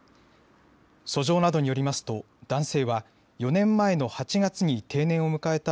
訴状などによりますと男性は４年前の８月に定年を迎えた